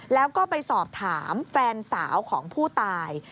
แล้วก็ไปสอบถามแฟนสาวของผู้ตาย